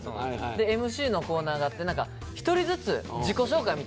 でＭＣのコーナーがあって一人ずつ自己紹介みたいな。